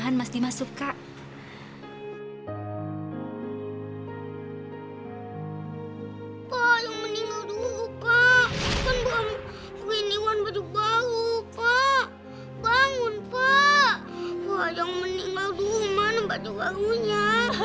yang meninggal dulu pak bangun pak yang meninggal dulu mana baju barunya